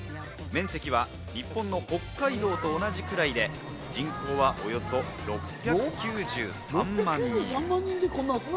面積は日本の北海道と同じくらいで、人口はおよそ６９３万人。